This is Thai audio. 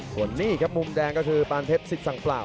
ส่วนนี้มุมแดงก็คือบาคะแทบซิคจันตร์ปราบ